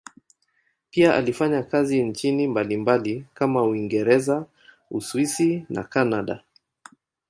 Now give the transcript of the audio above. Pia alifanya kazi nchini mbalimbali kama Uingereza, Uswisi na Kanada.